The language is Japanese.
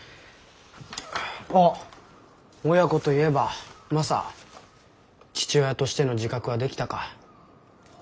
あっ親子と言えばマサ父親としての自覚はできたか？